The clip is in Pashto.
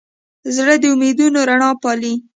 زړه د امیدونو رڼا پالي.